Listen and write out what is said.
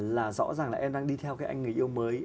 là rõ ràng là em đang đi theo cái anh người yêu mới